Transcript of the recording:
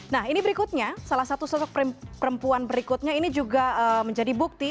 nah ini berikutnya salah satu sosok perempuan berikutnya ini juga menjadi bukti